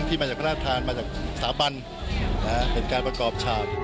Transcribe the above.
ที่มาจากพนักธานมาจากสาบันเป็นการประกอบฉาก